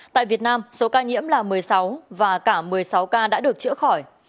tại việt nam số ca nhiễm là một mươi sáu và cả một mươi sáu ca đã được chữa khỏi